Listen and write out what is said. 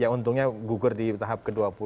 ya untungnya gugur di tahap ke dua puluh